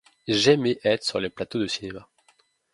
J'aimais être sur les plateaux de cinéma.